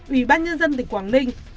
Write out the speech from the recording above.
ủy ban nhân dân tỉnh quảng ninh